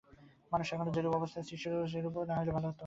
মানুষ এখন যেরূপ অবস্থায় আছে, ঈশ্বরেচ্ছায় সেরূপ না হইলে বড় ভাল হইত।